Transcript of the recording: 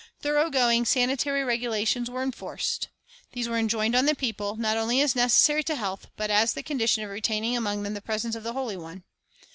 Thorough going sanitary regulations were enforced. These were enjoined on the people, not only as necessary to health, but as the condition of retaining among them the presence of the Holy One.